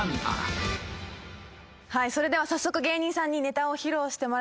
はいそれでは早速芸人さんにネタを披露してもらいましょう。